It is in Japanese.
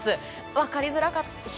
分かりづらかったですか？